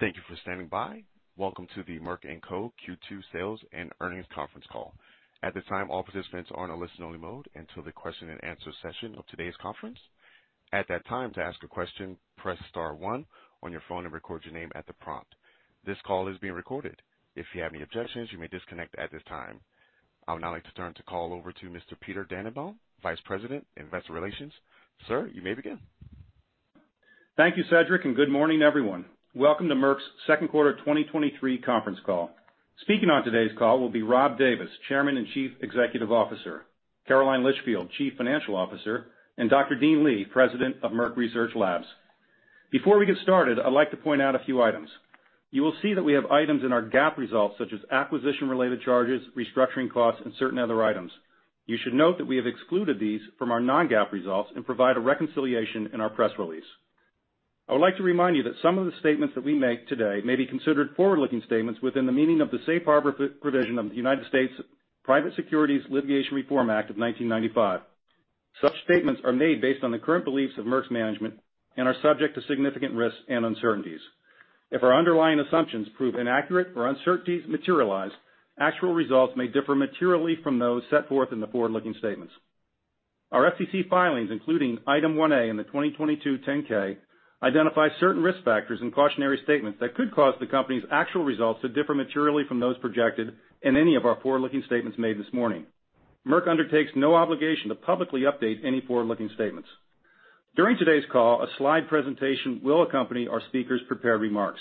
Thank you for standing by. Welcome to the Merck & Co. Q2 sales and earnings conference call. At this time, all participants are in a listen-only mode until the question-and-answer session of today's conference. At that time, to ask a question, press star one on your phone and record your name at the prompt. This call is being recorded. If you have any objections, you may disconnect at this time. I would now like to turn the call over to Mr. Peter Dannenbaum, Vice President of Investor Relations. Sir, you may begin. Thank you, Cedric. Good morning, everyone. Welcome to Merck's second quarter 2023 conference call. Speaking on today's call will be Rob Davis, Chairman and Chief Executive Officer, Caroline Litchfield, Chief Financial Officer, and Dr. Dean Li, President of Merck Research Labs. Before we get started, I'd like to point out a few items. You will see that we have items in our GAAP results, such as acquisition-related charges, restructuring costs, and certain other items. You should note that we have excluded these from our non-GAAP results and provide a reconciliation in our press release. I would like to remind you that some of the statements that we make today may be considered forward-looking statements within the meaning of the Safe Harbor Provision of the U.S. Private Securities Litigation Reform Act of 1995. Such statements are made based on the current beliefs of Merck's management and are subject to significant risks and uncertainties. If our underlying assumptions prove inaccurate or uncertainties materialize, actual results may differ materially from those set forth in the forward-looking statements. Our SEC filings, including Item 1A in the 2022 10-K, identify certain risk factors and cautionary statements that could cause the company's actual results to differ materially from those projected in any of our forward-looking statements made this morning. Merck undertakes no obligation to publicly update any forward-looking statements. During today's call, a slide presentation will accompany our speakers' prepared remarks.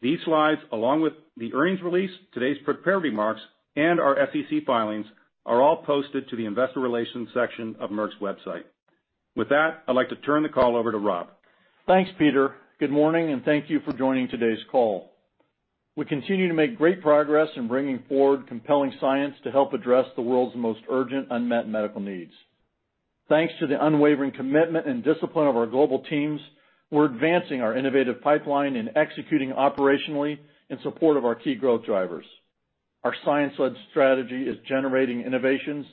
These slides, along with the earnings release, today's prepared remarks, and our SEC filings, are all posted to the investor relations section of Merck's website. With that, I'd like to turn the call over to Rob. Thanks, Peter. Good morning, and thank you for joining today's call. We continue to make great progress in bringing forward compelling science to help address the world's most urgent unmet medical needs. Thanks to the unwavering commitment and discipline of our global teams, we're advancing our innovative pipeline and executing operationally in support of our key growth drivers. Our science-led strategy is generating innovations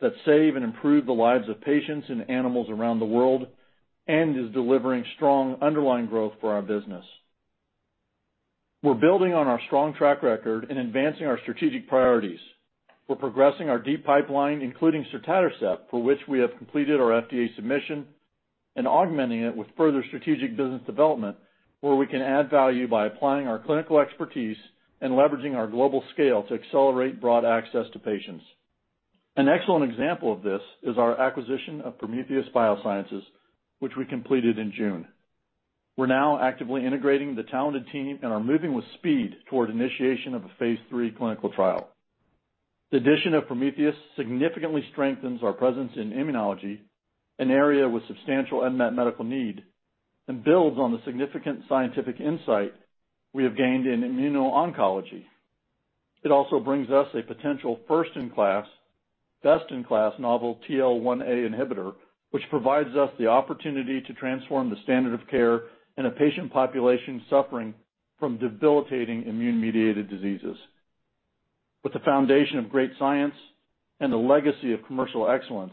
that save and improve the lives of patients and animals around the world, and is delivering strong underlying growth for our business. We're building on our strong track record in advancing our strategic priorities. We're progressing our deep pipeline, including Sotatercept, for which we have completed our FDA submission, and augmenting it with further strategic business development, where we can add value by applying our clinical expertise and leveraging our global scale to accelerate broad access to patients. An excellent example of this is our acquisition of Prometheus Biosciences, which we completed in June. We're now actively integrating the talented team and are moving with speed toward initiation of a phase III clinical trial. The addition of Prometheus significantly strengthens our presence in immunology, an area with substantial unmet medical need, and builds on the significant scientific insight we have gained in immuno-oncology. It also brings us a potential first-in-class, best-in-class novel TL1A inhibitor, which provides us the opportunity to transform the standard of care in a patient population suffering from debilitating immune-mediated diseases. With the foundation of great science and a legacy of commercial excellence,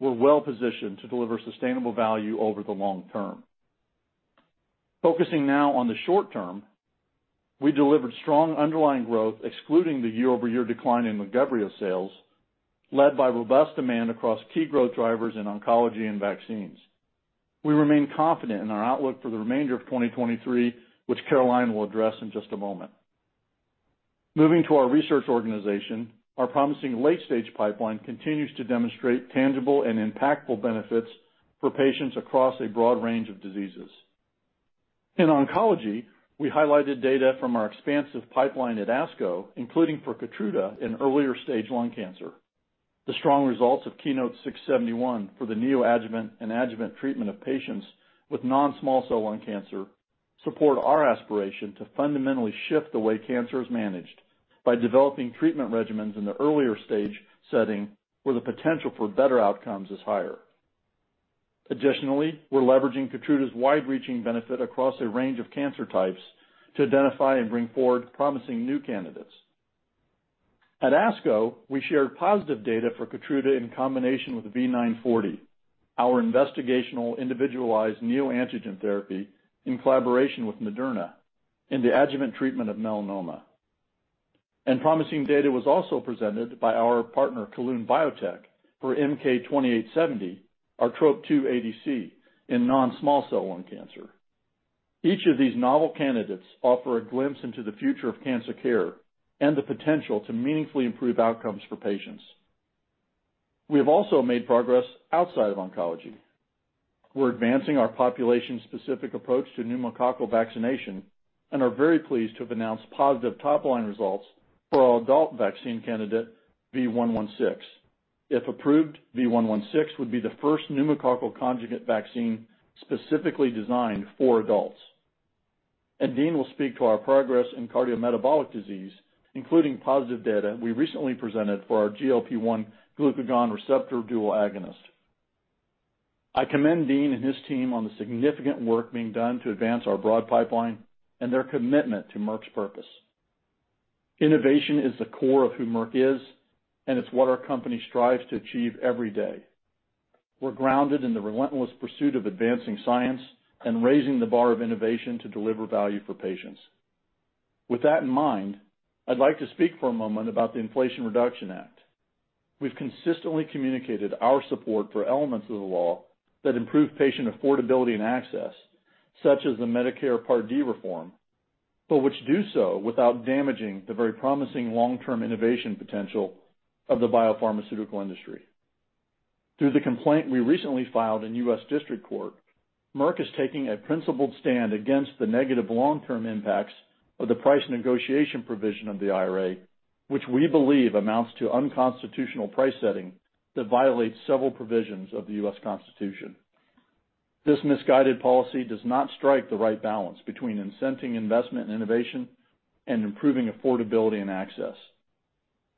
we're well-positioned to deliver sustainable value over the long term. Focusing now on the short term, we delivered strong underlying growth, excluding the year-over-year decline in Lagevrio sales, led by robust demand across key growth drivers in oncology and vaccines. We remain confident in our outlook for the remainder of 2023, which Caroline will address in just a moment. Moving to our research organization, our promising late-stage pipeline continues to demonstrate tangible and impactful benefits for patients across a broad range of diseases. In oncology, we highlighted data from our expansive pipeline at ASCO, including for Keytruda in earlier stage lung cancer. The strong results of KEYNOTE-671 for the neoadjuvant and adjuvant treatment of patients with non-small cell lung cancer support our aspiration to fundamentally shift the way cancer is managed by developing treatment regimens in the earlier stage setting, where the potential for better outcomes is higher. Additionally, we're leveraging Keytruda's wide-reaching benefit across a range of cancer types to identify and bring forward promising new candidates. At ASCO, we shared positive data for Keytruda in combination with V940, our investigational individualized neoantigen therapy, in collaboration with Moderna in the adjuvant treatment of melanoma. Promising data was also presented by our partner, Kelun-Biotech, for MK-2870, our TROP2 ADC, in non-small cell lung cancer. Each of these novel candidates offer a glimpse into the future of cancer care and the potential to meaningfully improve outcomes for patients. We have also made progress outside of oncology. We're advancing our population-specific approach to pneumococcal vaccination and are very pleased to have announced positive top-line results for our adult vaccine candidate, V116. If approved, V116 would be the first pneumococcal conjugate vaccine specifically designed for adults. Dean will speak to our progress in cardiometabolic disease, including positive data we recently presented for our GLP-1 glucagon receptor dual agonist. I commend Dean and his team on the significant work being done to advance our broad pipeline and their commitment to Merck's purpose. Innovation is the core of who Merck is, and it's what our company strives to achieve every day. We're grounded in the relentless pursuit of advancing science and raising the bar of innovation to deliver value for patients. With that in mind, I'd like to speak for a moment about the Inflation Reduction Act. We've consistently communicated our support for elements of the law that improve patient affordability and access, such as the Medicare Part D reform, but which do so without damaging the very promising long-term innovation potential of the biopharmaceutical industry. Through the complaint we recently filed in U.S. District Court, Merck is taking a principled stand against the negative long-term impacts of the price negotiation provision of the IRA, which we believe amounts to unconstitutional price setting that violates several provisions of the U.S. Constitution. This misguided policy does not strike the right balance between incenting investment and innovation and improving affordability and access.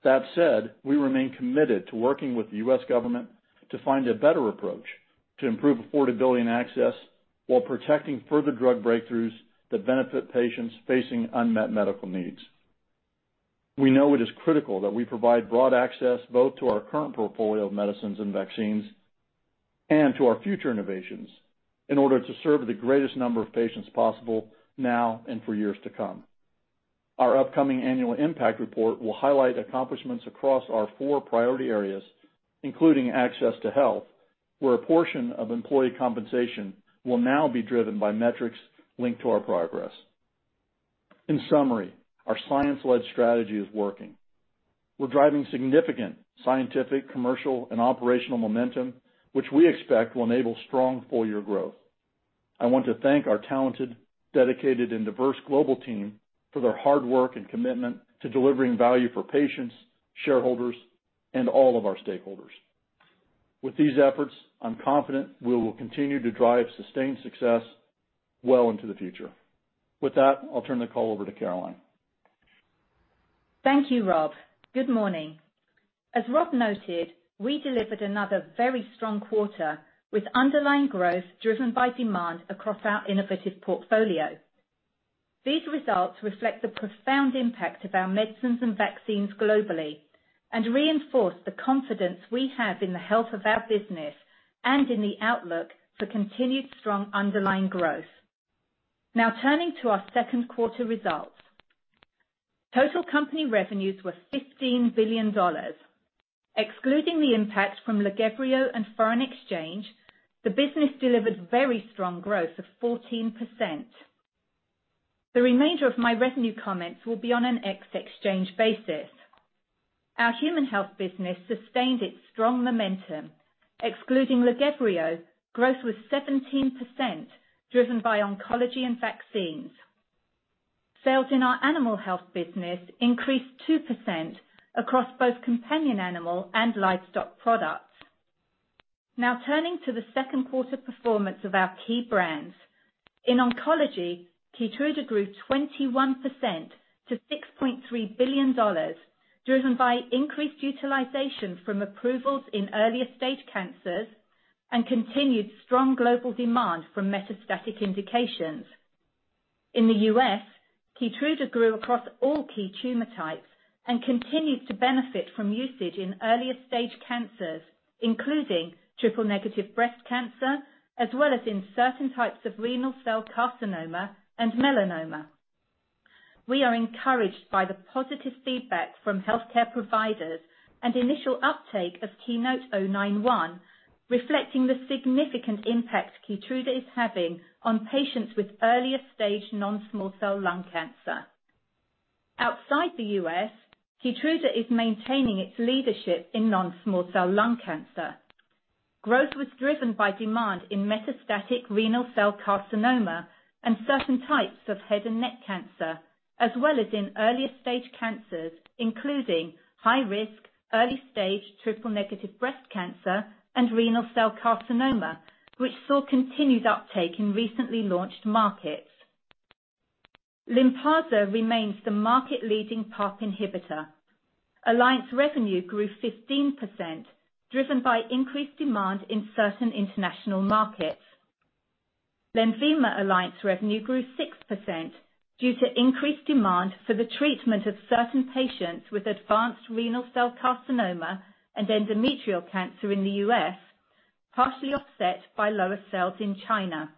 That said, we remain committed to working with the U.S. government to find a better approach to improve affordability and access while protecting further drug breakthroughs that benefit patients facing unmet medical needs. We know it is critical that we provide broad access, both to our current portfolio of medicines and vaccines, and to our future innovations, in order to serve the greatest number of patients possible now and for years to come. Our upcoming annual impact report will highlight accomplishments across our four priority areas, including access to health, where a portion of employee compensation will now be driven by metrics linked to our progress. In summary, our science-led strategy is working. We're driving significant scientific, commercial, and operational momentum, which we expect will enable strong full year growth. I want to thank our talented, dedicated, and diverse global team for their hard work and commitment to delivering value for patients, shareholders, and all of our stakeholders. With these efforts, I'm confident we will continue to drive sustained success well into the future. With that, I'll turn the call over to Caroline. Thank you, Rob. Good morning. As Rob noted, we delivered another very strong quarter, with underlying growth driven by demand across our innovative portfolio. Reinforce the confidence we have in the health of our business and in the outlook for continued strong underlying growth. Turning to our second quarter results. Total company revenues were $15 billion. Excluding the impact from Lagevrio and foreign exchange, the business delivered very strong growth of 14%. The remainder of my revenue comments will be on an ex exchange basis. Our Human Health business sustained its strong momentum. Excluding Lagevrio, growth was 17%, driven by oncology and vaccines. Sales in our Animal Health business increased 2% across both companion animal and livestock products. Turning to the second quarter performance of our key brands. In oncology, Keytruda grew 21% to $6.3 billion, driven by increased utilization from approvals in earlier stage cancers and continued strong global demand for metastatic indications. In the U.S., Keytruda grew across all key tumor types and continued to benefit from usage in earlier stage cancers, including triple-negative breast cancer, as well as in certain types of renal cell carcinoma and melanoma. We are encouraged by the positive feedback from healthcare providers and initial uptake of KEYNOTE-091, reflecting the significant impact Keytruda is having on patients with earlier stage non-small cell lung cancer. Outside the U.S., Keytruda is maintaining its leadership in non-small cell lung cancer. Growth was driven by demand in metastatic renal cell carcinoma and certain types of head and neck cancer, as well as in earlier stage cancers, including high risk, early stage triple-negative breast cancer and renal cell carcinoma, which saw continued uptake in recently launched markets. Lynparza remains the market-leading PARP inhibitor. Alliance revenue grew 15%, driven by increased demand in certain international markets. Lenvima alliance revenue grew 6% due to increased demand for the treatment of certain patients with advanced renal cell carcinoma and endometrial cancer in the U.S., partially offset by lower sales in China.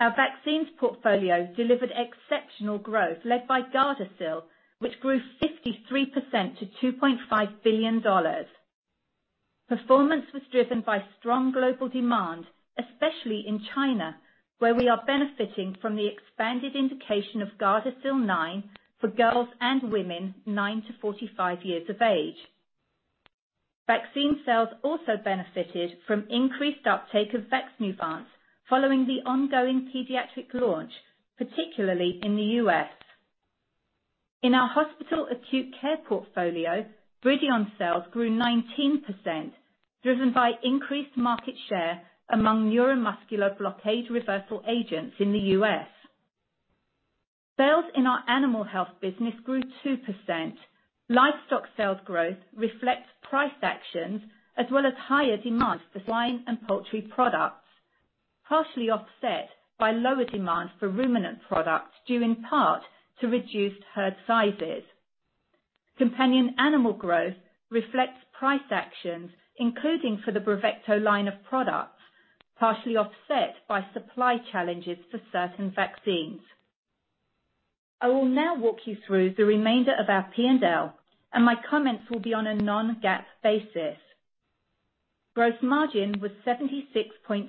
Our vaccines portfolio delivered exceptional growth, led by Gardasil, which grew 53% to $2.5 billion. Performance was driven by strong global demand, especially in China, where we are benefiting from the expanded indication of Gardasil 9 for girls and women 9 to 45 years of age. Vaccine sales also benefited from increased uptake of Vaxneuvance following the ongoing pediatric launch, particularly in the U.S. In our hospital acute care portfolio, Bridion sales grew 19%, driven by increased market share among neuromuscular blockade reversal agents in the U.S. Sales in our Animal Health business grew 2%. Livestock sales growth reflects price actions as well as higher demand for swine and poultry products, partially offset by lower demand for ruminant products, due in part to reduced herd sizes. Companion Animal growth reflects price actions, including for the Bravecto line of products, partially offset by supply challenges for certain vaccines. I will now walk you through the remainder of our P&L, and my comments will be on a non-GAAP basis. Gross margin was 76.6%,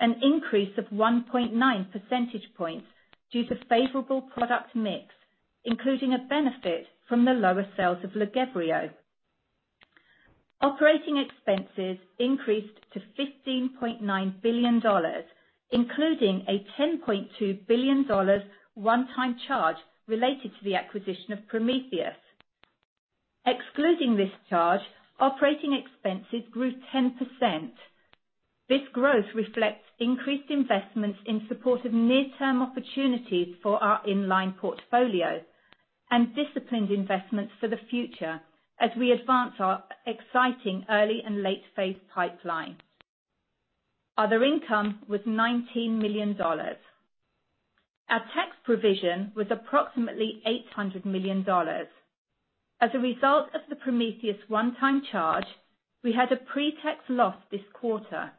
an increase of 1.9 percentage points due to favorable product mix, including a benefit from the lower sales of Lagevrio. Operating expenses increased to $15.9 billion, including a $10.2 billion one-time charge related to the acquisition of Prometheus. Excluding this charge, operating expenses grew 10%. This growth reflects increased investments in support of near-term opportunities for our in-line portfolio and disciplined investments for the future as we advance our exciting early and late-phase pipeline. Other income was $19 million. Our tax provision was approximately $800 million. As a result of the Prometheus one-time charge, we had a pre-tax loss this quarter.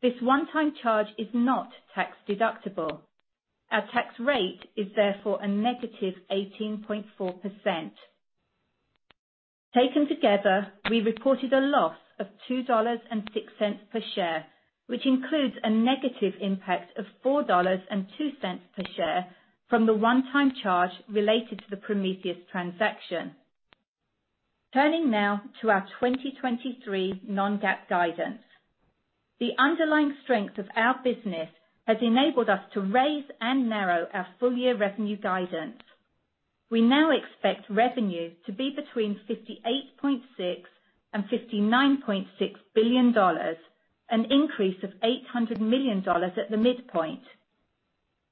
This one-time charge is not tax-deductible. Our tax rate is therefore a negative 18.4%. Taken together, we reported a loss of $2.06 per share, which includes a negative impact of $4.02 per share from the one-time charge related to the Prometheus transaction. Turning now to our 2023 non-GAAP guidance. The underlying strength of our business has enabled us to raise and narrow our full-year revenue guidance. We now expect revenue to be between $58.6 billion and $59.6 billion, an increase of $800 million at the midpoint.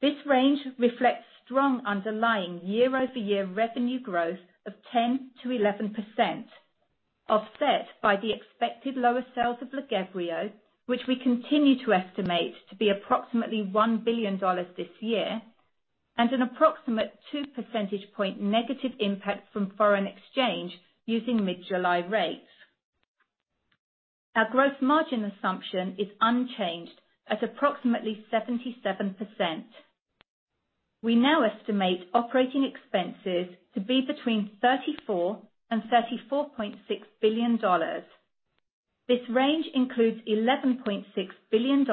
This range reflects strong underlying year-over-year revenue growth of 10%-11%, offset by the expected lower sales of Lagevrio, which we continue to estimate to be approximately $1 billion this year, and an approximate 2 percentage point negative impact from foreign exchange using mid-July rates. Our gross margin assumption is unchanged at approximately 77%. We now estimate operating expenses to be between $34 billion and $34.6 billion. This range includes $11.6 billion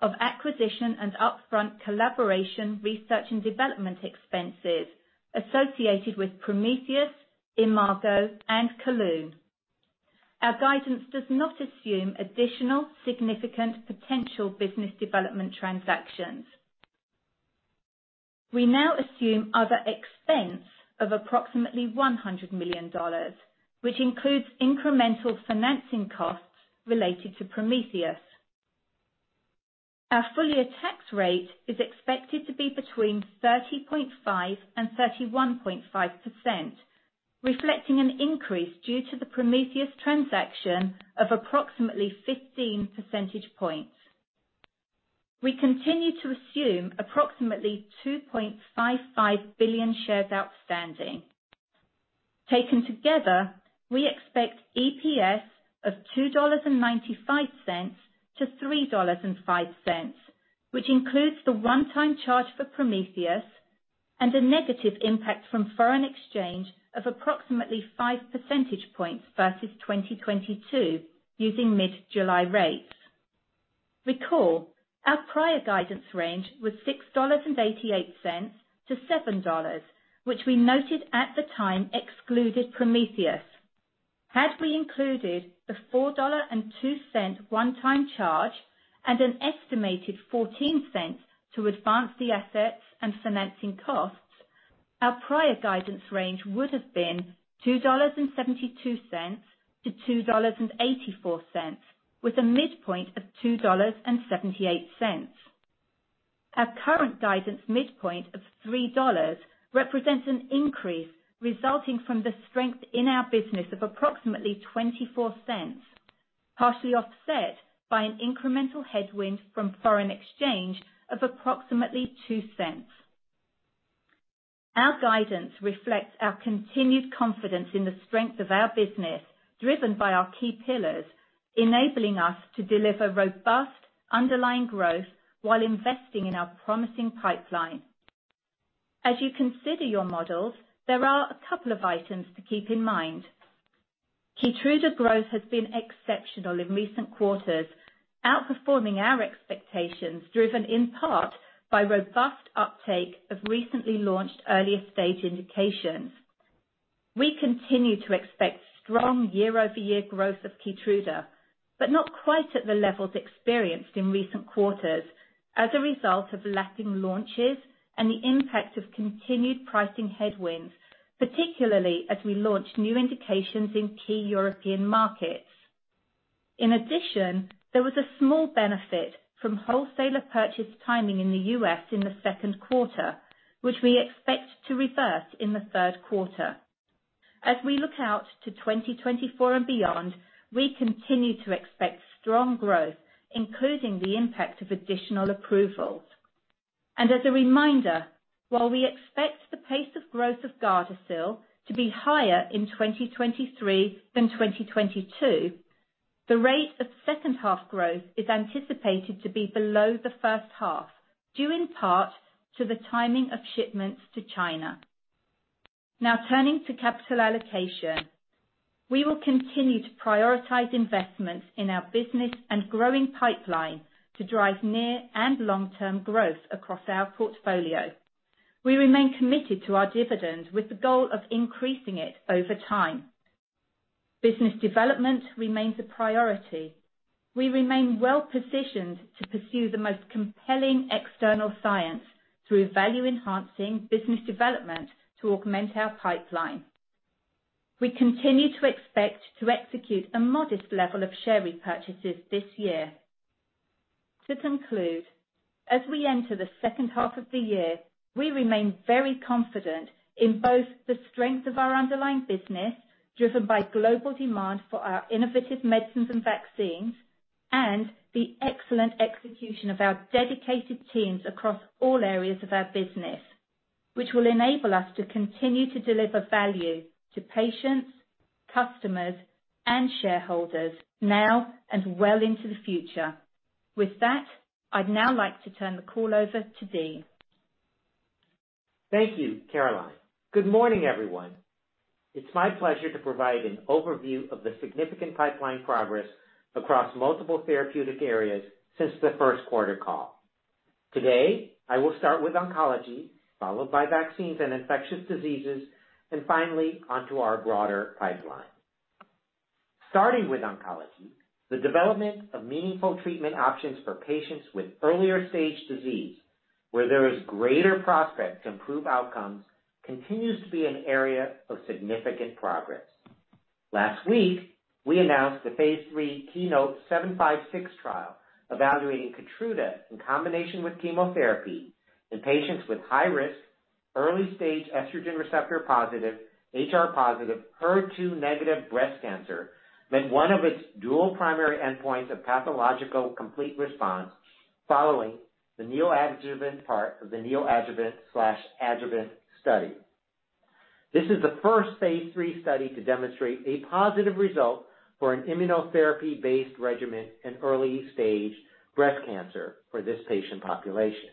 of acquisition and upfront collaboration, research and development expenses associated with Prometheus, Imago and Kelun-Biotech. Our guidance does not assume additional significant potential business development transactions. We now assume other expense of approximately $100 million, which includes incremental financing costs related to Prometheus. Our full-year tax rate is expected to be between 30.5% and 31.5%, reflecting an increase due to the Prometheus transaction of approximately 15 percentage points. We continue to assume approximately 2.55 billion shares outstanding. Taken together, we expect EPS of $2.95-$3.05, which includes the one-time charge for Prometheus and a negative impact from foreign exchange of approximately 5 percentage points versus 2022, using mid-July rates. Recall, our prior guidance range was $6.88-$7.00, which we noted at the time excluded Prometheus. Had we included the $4.02 one-time charge and an estimated $0.14 to advance the assets and financing costs, our prior guidance range would have been $2.72-$2.84, with a midpoint of $2.78. Our current guidance midpoint of $3.00 represents an increase resulting from the strength in our business of approximately $0.24, partially offset by an incremental headwind from foreign exchange of approximately $0.02. Our guidance reflects our continued confidence in the strength of our business, driven by our key pillars, enabling us to deliver robust underlying growth while investing in our promising pipeline. As you consider your models, there are a couple of items to keep in mind. Keytruda growth has been exceptional in recent quarters, outperforming our expectations, driven in part by robust uptake of recently launched earlier-stage indications. We continue to expect strong year-over-year growth of Keytruda, but not quite at the levels experienced in recent quarters as a result of lacking launches and the impact of continued pricing headwinds, particularly as we launch new indications in key European markets. In addition, there was a small benefit from wholesaler purchase timing in the U.S. in the second quarter, which we expect to reverse in the third quarter. As we look out to 2024 and beyond, we continue to expect strong growth, including the impact of additional approvals. As a reminder, while we expect the pace of growth of Gardasil to be higher in 2023 than 2022, the rate of second half growth is anticipated to be below the first half, due in part to the timing of shipments to China. Now, turning to capital allocation. We will continue to prioritize investments in our business and growing pipeline to drive near and long-term growth across our portfolio. We remain committed to our dividend, with the goal of increasing it over time. Business development remains a priority. We remain well-positioned to pursue the most compelling external science through value-enhancing business development to augment our pipeline. We continue to expect to execute a modest level of share repurchases this year. To conclude, as we enter the second half of the year, we remain very confident in both the strength of our underlying business, driven by global demand for our innovative medicines and vaccines, and the excellent execution of our dedicated teams across all areas of our business, which will enable us to continue to deliver value to patients, customers, and shareholders now and well into the future. With that, I'd now like to turn the call over to Dean. Thank you, Caroline. Good morning, everyone. It's my pleasure to provide an overview of the significant pipeline progress across multiple therapeutic areas since the first quarter call. Today, I will start with oncology, followed by vaccines and infectious diseases, and finally, onto our broader pipeline. Starting with oncology, the development of meaningful treatment options for patients with earlier stage disease, where there is greater prospect to improve outcomes, continues to be an area of significant progress. Last week, we announced the phase 3 KEYNOTE-756 trial, evaluating Keytruda in combination with chemotherapy in patients with high risk, early-stage estrogen receptor-positive, HR positive, HER2-negative breast cancer, met one of its dual primary endpoints of pathological complete response following the neoadjuvant part of the neoadjuvant/adjuvant study. This is the first phase III study to demonstrate a positive result for an immunotherapy-based regimen in early stage breast cancer for this patient population.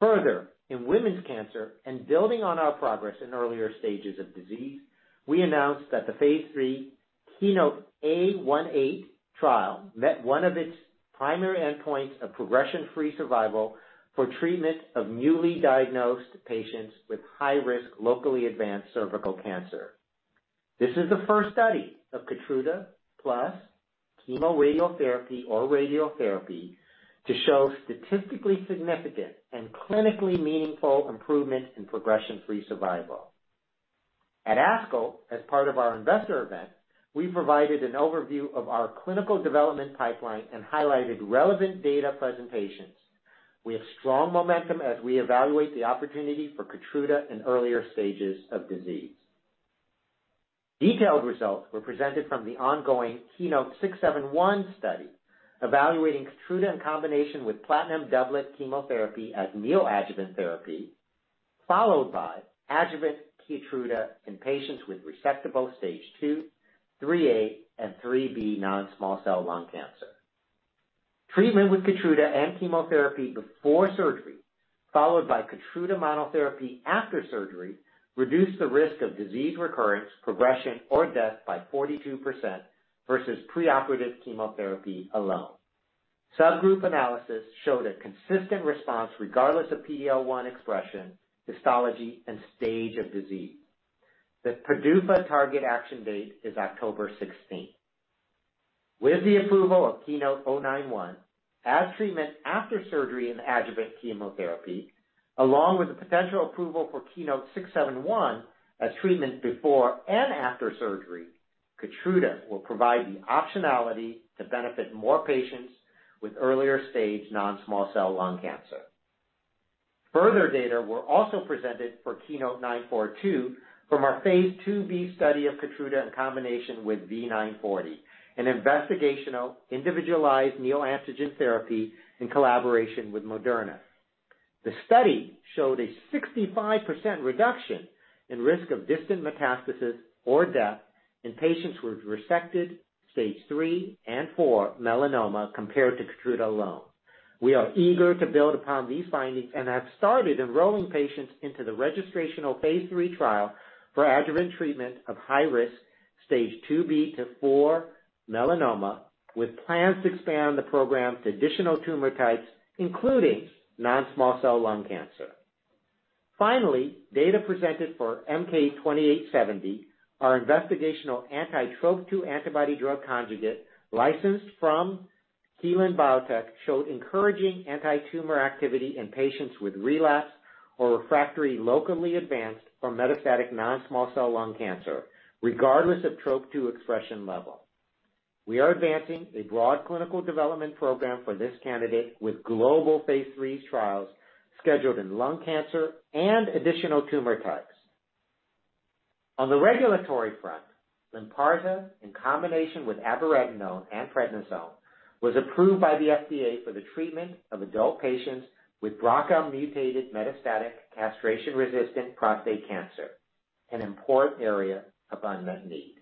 Further, in women's cancer and building on our progress in earlier stages of disease, we announced that the phase 3 KEYNOTE-A18 trial met one of its primary endpoints of progression-free survival for treatment of newly diagnosed patients with high risk, locally advanced cervical cancer. This is the first study of Keytruda plus chemoradiotherapy or radiotherapy to show statistically significant and clinically meaningful improvement in progression-free survival. At ASCO, as part of our investor event, we provided an overview of our clinical development pipeline and highlighted relevant data presentations. We have strong momentum as we evaluate the opportunity for Keytruda in earlier stages of disease. Detailed results were presented from the ongoing KEYNOTE-671 study, evaluating Keytruda in combination with platinum doublet chemotherapy as neoadjuvant therapy, followed by adjuvant Keytruda in patients with resectable stage 2, 3A, and 3B non-small cell lung cancer. Treatment with Keytruda and chemotherapy before surgery, followed by Keytruda monotherapy after surgery, reduced the risk of disease recurrence, progression, or death by 42% versus preoperative chemotherapy alone. Subgroup analysis showed a consistent response regardless of PD-L1 expression, histology, and stage of disease. The PDUFA target action date is October 16th. With the approval of KEYNOTE-091, as treatment after surgery in adjuvant chemotherapy, along with the potential approval for KEYNOTE-671 as treatment before and after surgery, Keytruda will provide the optionality to benefit more patients with earlier stage non-small cell lung cancer. Further data were also presented for KEYNOTE-942 from our phase 2b study of Keytruda in combination with V940, an investigational individualized neoantigen therapy in collaboration with Moderna. The study showed a 65% reduction in risk of distant metastasis or death in patients with resected stage 3 and 4 melanoma compared to Keytruda alone. We are eager to build upon these findings and have started enrolling patients into the registrational phase 3 trial for adjuvant treatment of high risk stage 2b to 4 melanoma, with plans to expand the program to additional tumor types, including non-small cell lung cancer. Finally, data presented for MK-2870, our investigational anti-TROP2 antibody drug conjugate, licensed from Kelun-Biotech, showed encouraging antitumor activity in patients with relapsed or refractory locally advanced or metastatic non-small cell lung cancer, regardless of TROP2 expression level. We are advancing a broad clinical development program for this candidate, with global phase 3 trials scheduled in lung cancer and additional tumor types. On the regulatory front, Lynparza, in combination with abiraterone and prednisone, was approved by the FDA for the treatment of adult patients with BRCA-mutated, metastatic, castration-resistant prostate cancer, an important area of unmet need.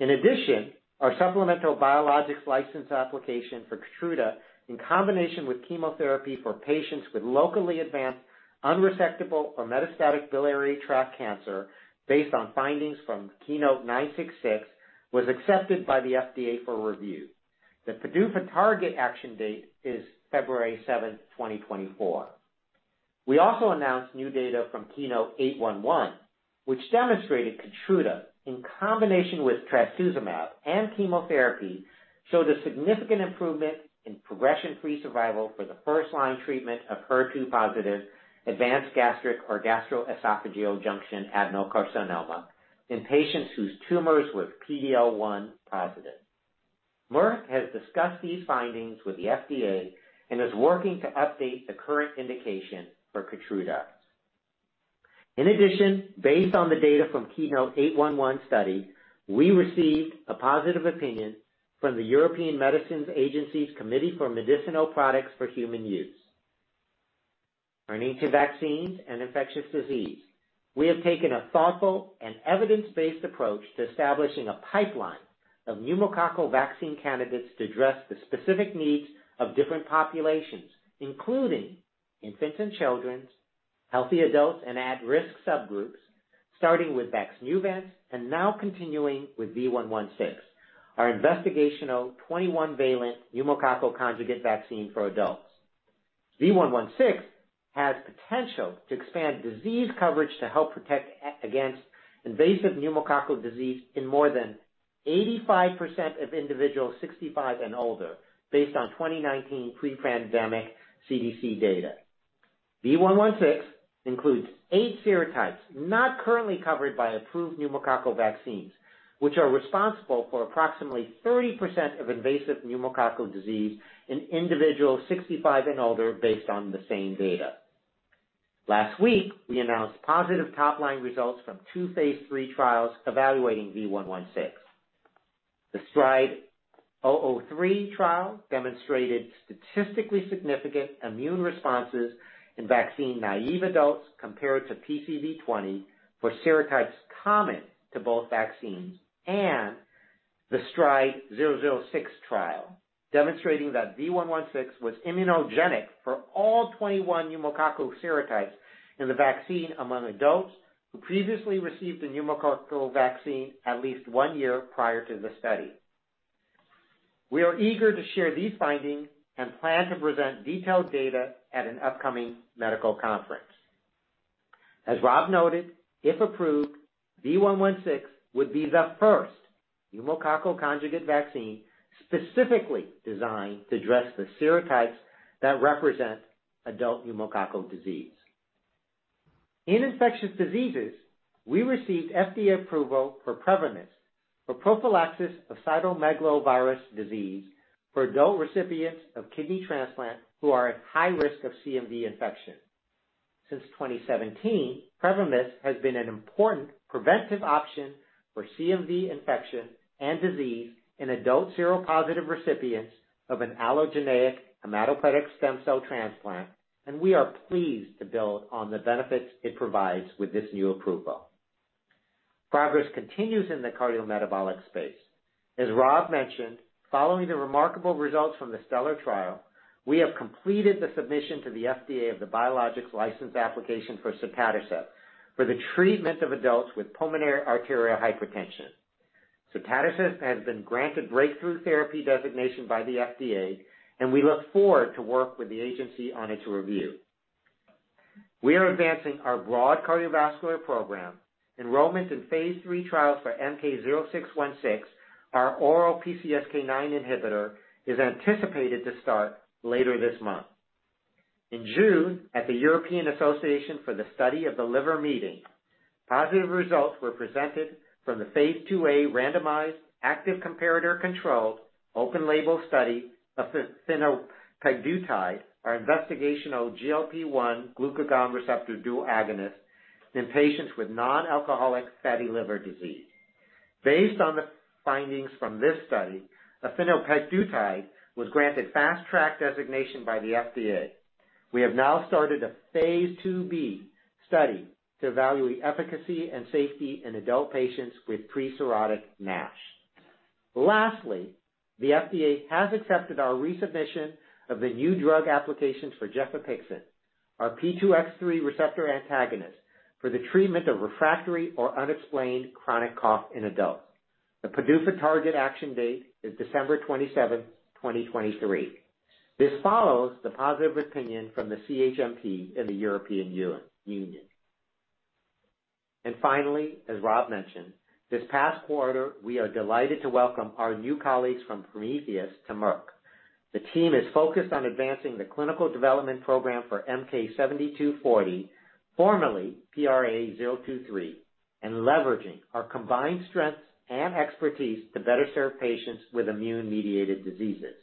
In addition, our supplemental Biologics License Application for Keytruda, in combination with chemotherapy for patients with locally advanced, unresectable, or metastatic biliary tract cancer, based on findings from KEYNOTE-966, was accepted by the FDA for review. The PDUFA target action date is February 7, 2024. We also announced new data from KEYNOTE-811, which demonstrated Keytruda, in combination with Trastuzumab and chemotherapy, showed a significant improvement in progression-free survival for the first-line treatment of HER2-positive advanced gastric or gastroesophageal junction adenocarcinoma in patients whose tumors were PD-L1 positive. Merck has discussed these findings with the FDA and is working to update the current indication for Keytruda. In addition, based on the data from KEYNOTE-811 study, we received a positive opinion from the European Medicines Agency's Committee for Medicinal Products for Human Use. Turning to vaccines and infectious disease. We have taken a thoughtful and evidence-based approach to establishing a pipeline of pneumococcal vaccine candidates to address the specific needs of different populations, including infants and children, healthy adults, and at-risk subgroups, starting with Vaxneuvance and now continuing with V116, our investigational 21-valent pneumococcal conjugate vaccine for adults. V116 has potential to expand disease coverage to help protect against invasive pneumococcal disease in more than 85% of individuals 65 and older, based on 2019 pre-pandemic CDC data. V116 includes eight serotypes not currently covered by approved pneumococcal vaccines, which are responsible for approximately 30% of invasive pneumococcal disease in individuals 65 and older, based on the same data. Last week, we announced positive top-line results from two phase III trials evaluating V116. The STRIDE-3 trial demonstrated statistically significant immune responses in vaccine-naive adults compared to PCV20 for serotypes common to both vaccines. The STRIDE-6 trial, demonstrating that V116 was immunogenic for all 21 pneumococcal serotypes in the vaccine among adults who previously received a pneumococcal vaccine at least one year prior to the study. We are eager to share these findings and plan to present detailed data at an upcoming medical conference. As Rob noted, if approved, V116 would be the first pneumococcal conjugate vaccine specifically designed to address the serotypes that represent adult pneumococcal disease. In infectious diseases, we received FDA approval for Prevymis, for prophylaxis of cytomegalovirus disease for adult recipients of kidney transplant who are at high risk of CMV infection. Since 2017, Prevymis has been an important preventive option for CMV infection and disease in adult seropositive recipients of an allogeneic hematopoietic stem cell transplant. And we are pleased to build on the benefits it provides with this new approval. Progress continues in the cardiometabolic space. As Rob mentioned, following the remarkable results from the STELLAR trial, we have completed the submission to the FDA of the Biologics License Application for Sotatercept for the treatment of adults with pulmonary arterial hypertension. Sotatercept has been granted Breakthrough Therapy designation by the FDA, and we look forward to work with the agency on its review. We are advancing our broad cardiovascular program. Enrollment in phase III trials for MK-0616, our oral PCSK9 inhibitor, is anticipated to start later this month. In June, at the European Association for the Study of the Liver Meeting, positive results were presented from the phase IIa randomized, active comparator controlled, open label study of efinopegdutide, our investigational GLP-1 glucagon receptor dual agonist in patients with non-alcoholic fatty liver disease. Based on the findings from this study, efinopegdutide was granted Fast Track designation by the FDA. We have now started a phase IIb study to evaluate efficacy and safety in adult patients with pre-cirrhotic NASH. Lastly, the FDA has accepted our resubmission of the new drug application for gefapixant, our P2X3 receptor antagonist, for the treatment of refractory or unexplained chronic cough in adults. The PDUFA target action date is December 27th, 2023. This follows the positive opinion from the CHMP in the European Union. Finally, as Rob mentioned, this past quarter, we are delighted to welcome our new colleagues from Prometheus to Merck.... The team is focused on advancing the clinical development program for MK-7240, formerly PRA-023, and leveraging our combined strengths and expertise to better serve patients with immune-mediated diseases.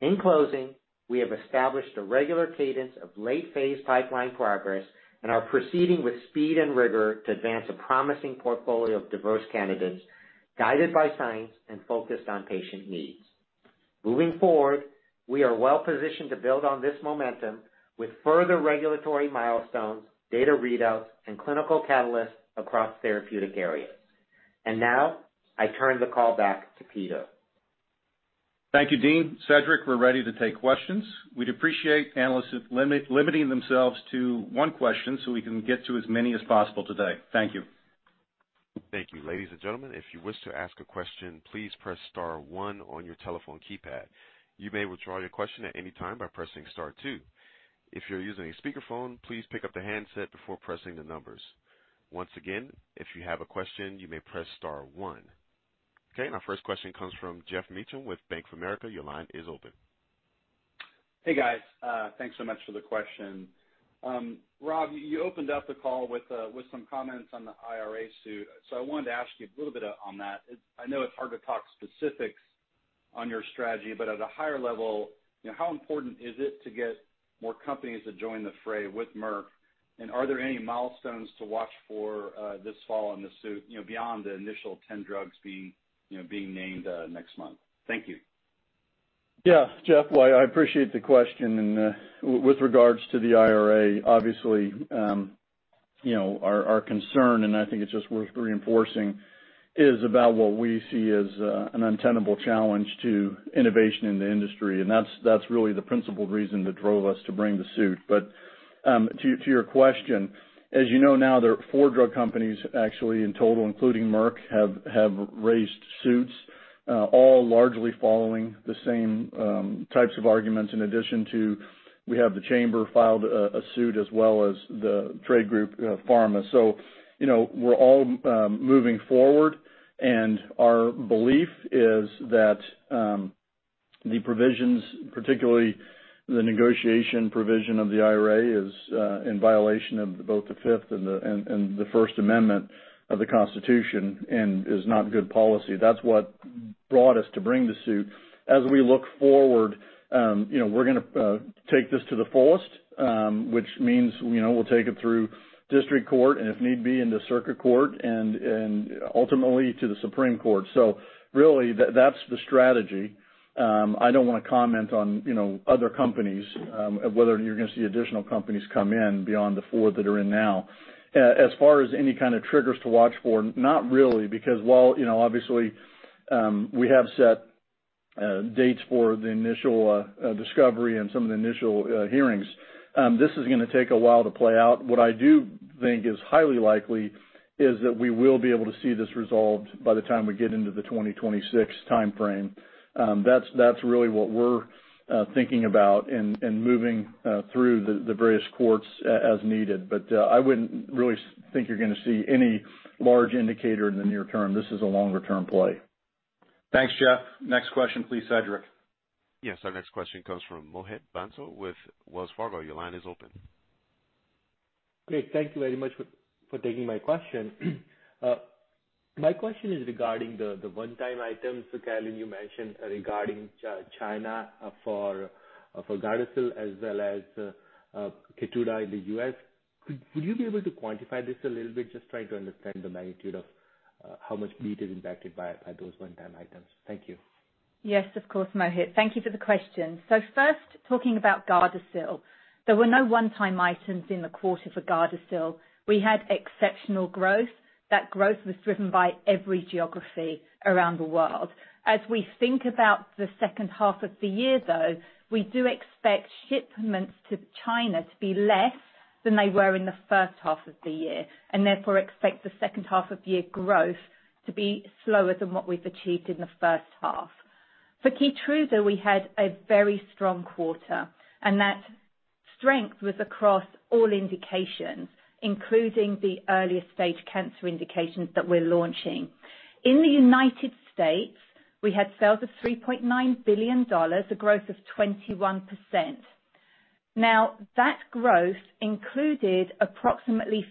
In closing, we have established a regular cadence of late-phase pipeline progress and are proceeding with speed and rigor to advance a promising portfolio of diverse candidates, guided by science and focused on patient needs. Moving forward, we are well positioned to build on this momentum with further regulatory milestones, data readouts, and clinical catalysts across therapeutic areas. Now, I turn the call back to Peter. Thank you, Dean. Cedric, we're ready to take questions. We'd appreciate analysts limiting themselves to one question so we can get to as many as possible today. Thank you. Thank you. Ladies and gentlemen, if you wish to ask a question, please press star one on your telephone keypad. You may withdraw your question at any time by pressing star two. If you're using a speakerphone, please pick up the handset before pressing the numbers. Once again, if you have a question, you may press star one. Our first question comes from Geoff Meacham with Bank of America. Your line is open. Hey, guys. Thanks so much for the question. Rob, you, you opened up the call with some comments on the IRA suit, so I wanted to ask you a little bit on that. I know it's hard to talk specifics on your strategy, but at a higher level, you know, how important is it to get more companies to join the fray with Merck? Are there any milestones to watch for this fall on the suit, you know, beyond the initial 10 drugs being, you know, being named next month? Thank you. Yeah, Jeff, well, I appreciate the question. With regards to the IRA, obviously, you know, our, our concern, and I think it's just worth reinforcing, is about what we see as an untenable challenge to innovation in the industry, and that's, that's really the principal reason that drove us to bring the suit. To, to your question, as you know now, there are 4 drug companies actually in total, including Merck, have, have raised suits, all largely following the same types of arguments. In addition to we have the chamber filed a, a suit as well as the trade group, PhRMA. You know, we're all, moving forward, and our belief is that, the provisions, particularly the negotiation provision of the IRA, is, in violation of both the Fifth and the, and, and the First Amendment of the Constitution and is not good policy. That's what brought us to bring the suit. As we look forward, you know, we're gonna, take this to the fullest, which means, you know, we'll take it through district court, and if need be, in the circuit court and, and ultimately to the Supreme Court. Really, that, that's the strategy. I don't wanna comment on, you know, other companies, whether you're gonna see additional companies come in beyond the four that are in now. As far as any kind of triggers to watch for, not really, because while, you know, obviously, we have set dates for the initial discovery and some of the initial hearings, this is gonna take a while to play out. What I do think is highly likely is that we will be able to see this resolved by the time we get into the 2026 timeframe. That's, that's really what we're thinking about and moving through the various courts as needed. I wouldn't really think you're gonna see any large indicator in the near term. This is a longer-term play. Thanks, Geoff. Next question, please, Cedric. Yes, our next question comes from Mohit Bansal with Wells Fargo. Your line is open. Great. Thank you very much for, for taking my question. My question is regarding the, the one-time items. Caroline, you mentioned regarding China, for Gardasil as well as Keytruda in the U.S. Would you be able to quantify this a little bit? Just trying to understand the magnitude of how much beat is impacted by, by those one-time items. Thank you. Yes, of course, Mohit. Thank you for the question. First, talking about Gardasil. There were no one-time items in the quarter for Gardasil. We had exceptional growth. That growth was driven by every geography around the world. As we think about the second half of the year though, we do expect shipments to China to be less than they were in the first half of the year, and therefore expect the second half of the year growth to be slower than what we've achieved in the first half. For Keytruda, we had a very strong quarter, that strength was across all indications, including the earlier stage cancer indications that we're launching. In the United States, we had sales of $3.9 billion, a growth of 21%. That growth included approximately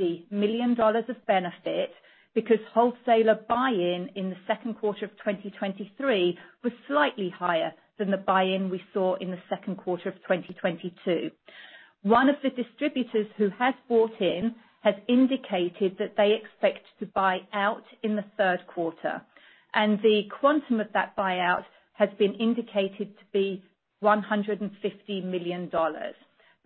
$50 million of benefit because wholesaler buy-in, in the second quarter of 2023, was slightly higher than the buy-in we saw in the second quarter of 2022. One of the distributors who has bought in has indicated that they expect to buy out in the third quarter. The quantum of that buyout has been indicated to be $150 million.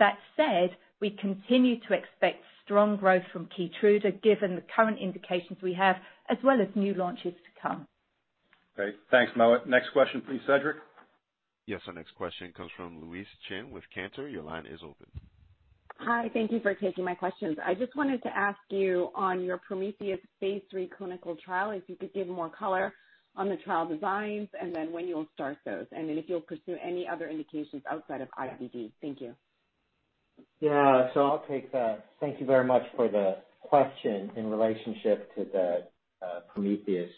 That said, we continue to expect strong growth from Keytruda, given the current indications we have, as well as new launches to come. Great. Thanks, Mohit. Next question, please, Cedric. Yes, our next question comes from Louise Chen with Cantor. Your line is open. Hi, thank you for taking my questions. I just wanted to ask you on your Prometheus phase 3 clinical trial, if you could give more color on the trial designs and then when you'll start those, and then if you'll pursue any other indications outside of IBD. Thank you. Yeah, I'll take that. Thank you very much for the question in relationship to the Prometheus.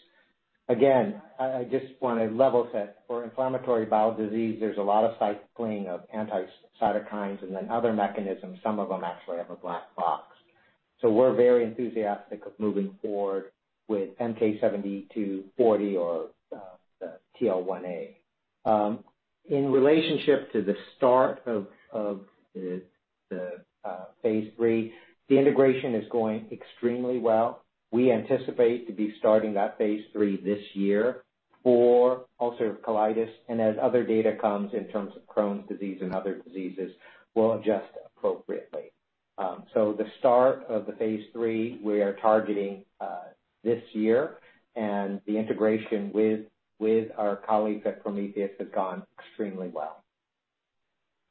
Again, I, I just want to level set. For inflammatory bowel disease, there's a lot of cycling of anti-cytokines and then other mechanisms. Some of them actually have a black box. We're very enthusiastic of moving forward with MK-7240 or the TL1A. In relationship to the start of the phase III, the integration is going extremely well. We anticipate to be starting that phase III this year for ulcerative colitis, and as other data comes in terms of Crohn's disease and other diseases, we'll adjust appropriately. The start of the phase III, we are targeting this year, and the integration with our colleagues at Prometheus has gone extremely well.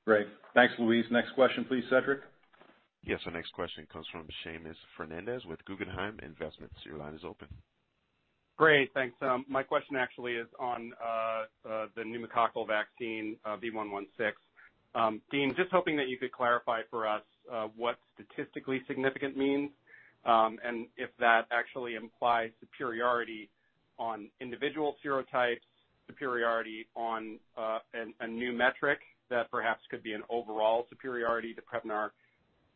Great. Thanks, Louise. Next question please, Cedric. Our next question comes from Seamus Fernandez with Guggenheim Investments. Your line is open. Great, thanks. My question actually is on the pneumococcal vaccine, V116. Dean, just hoping that you could clarify for us what statistically significant means, and if that actually implies superiority on individual serotypes, superiority on a new metric that perhaps could be an overall superiority to Prevnar 20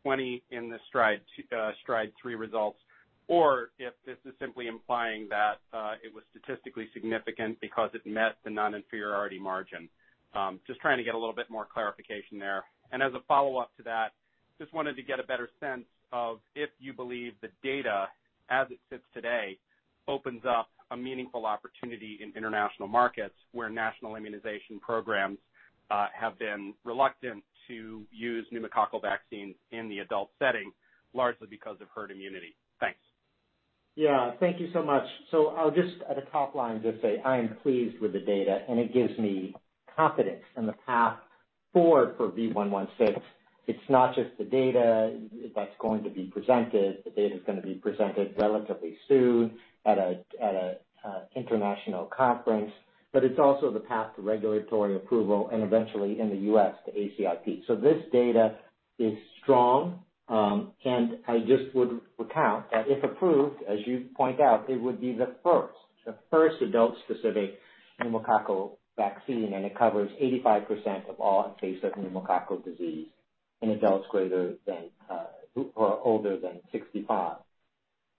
in the STRIDE-3 results, or if this is simply implying that it was statistically significant because it met the non-inferiority margin. Just trying to get a little bit more clarification there. As a follow-up to that, just wanted to get a better sense of if you believe the data as it sits today, opens up a meaningful opportunity in international markets, where national immunization programs have been reluctant to use pneumococcal vaccines in the adult setting, largely because of herd immunity. Thanks. Yeah, thank you so much. I'll just at a top line, just say I am pleased with the data, and it gives me confidence in the path forward for V116. It's not just the data that's going to be presented, the data's gonna be presented relatively soon at an international conference, but it's also the path to regulatory approval and eventually in the U.S., the ACIP. This data is strong, and I just would recount that if approved, as you point out, it would be the first, the first adult-specific pneumococcal vaccine, and it covers 85% of all invasive pneumococcal disease in adults greater than or older than 65.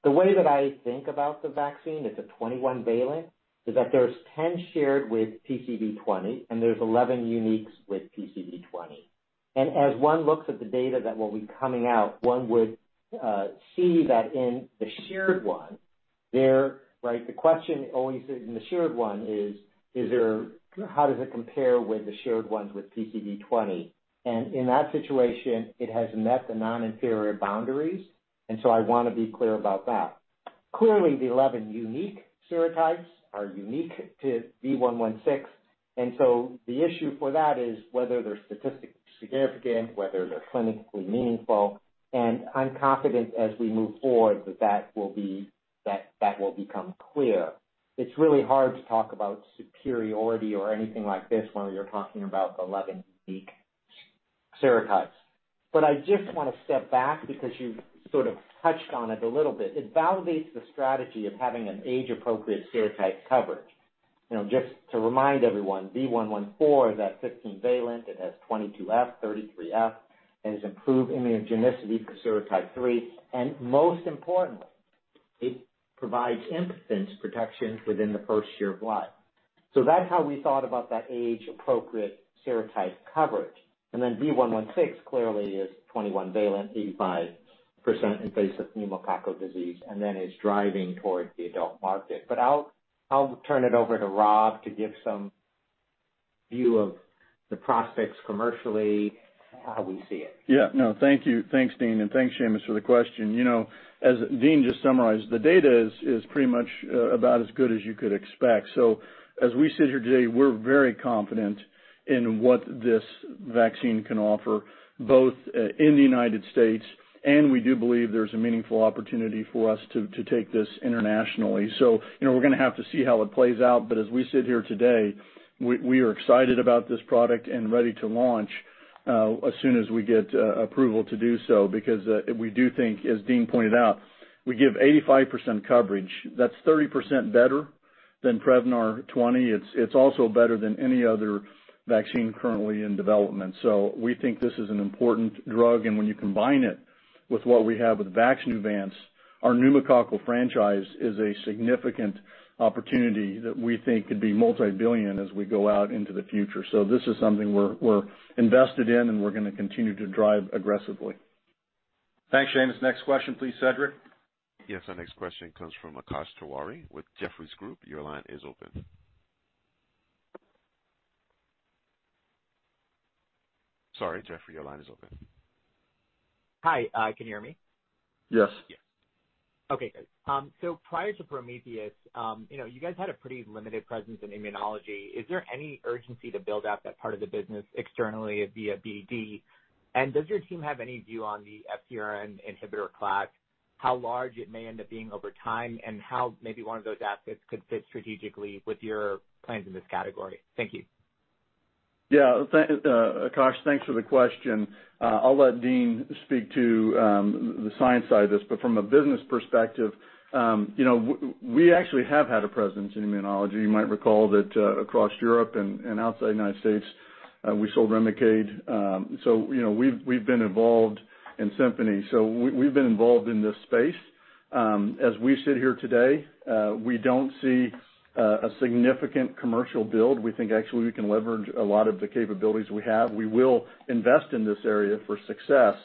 The way that I think about the vaccine, it's a 21-valent, is that there's 10 shared with PCV20, and there's 11 unique with PCV20. As one looks at the data that will be coming out, one would see that in the shared one, there, right, the question always is, in the shared one is, is there, how does it compare with the shared ones with PCV20? In that situation, it has met the non-inferior boundaries, so I wanna be clear about that. Clearly, the 11 unique serotypes are unique to V116, so the issue for that is whether they're statistically significant, whether they're clinically meaningful, and I'm confident as we move forward, that that will be, that will become clear. It's really hard to talk about superiority or anything like this when we're talking about the 11 unique serotypes. I just wanna step back because you sort of touched on it a little bit. It validates the strategy of having an age-appropriate serotype coverage. You know, just to remind everyone, V114 is at 15 valent, it has 22 F, 33 F, has improved immunogenicity for serotype 3, and most importantly, it provides infants protection within the first year of life. That's how we thought about that age-appropriate serotype coverage. Then V116 clearly is 21 valent, 85% invasive pneumococcal disease, then is driving towards the adult market. I'll turn it over to Rob to give some view of the prospects commercially, how we see it. Yeah, no, thank you. Thanks, Dean, and thanks, Seamus, for the question. You know, as Dean just summarized, the data is pretty much about as good as you could expect. As we sit here today, we're very confident in what this vaccine can offer, both in the United States, and we do believe there's a meaningful opportunity for us to take this internationally. You know, we're gonna have to see how it plays out, but as we sit here today, we are excited about this product and ready to launch as soon as we get approval to do so, because we do think, as Dean pointed out, we give 85% coverage. That's 30% better than Prevnar 20. It's also better than any other vaccine currently in development. We think this is an important drug, and when you combine it with what we have with Vaxneuvance, our pneumococcal franchise is a significant opportunity that we think could be multi-billion as we go out into the future. This is something we're, we're invested in, and we're gonna continue to drive aggressively. Thanks, Seamus. Next question please, Cedric. Our next question comes from Akash Tewari with Jefferies Group. Your line is open. Sorry, Jeffrey, your line is open. Hi, can you hear me? Yes. Yes. Okay, good. Prior to Prometheus, you know, you guys had a pretty limited presence in immunology. Is there any urgency to build out that part of the business externally via BD? Does your team have any view on the FPR inhibitor class?... how large it may end up being over time, and how maybe one of those assets could fit strategically with your plans in this category? Thank you. Yeah, th- Akash, thanks for the question. I'll let Dean speak to the science side of this, but from a business perspective, you know, we actually have had a presence in immunology. You might recall that across Europe and outside United States, we sold Remicade. You know, we've, we've been involved in Symphony, so we've been involved in this space. As we sit here today, we don't see a significant commercial build. We think actually we can leverage a lot of the capabilities we have. We will invest in this area for success,